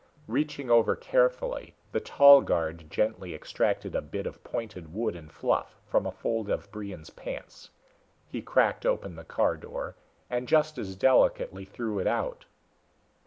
Reaching over carefully, the tall guard gently extracted a bit of pointed wood and fluff from a fold of Brion's pants. He cracked open the car door, and just as delicately threw it out.